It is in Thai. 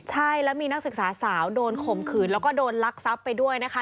ใช่แล้วมีนักศึกษาสาวโดนข่มขืนแล้วก็โดนลักทรัพย์ไปด้วยนะคะ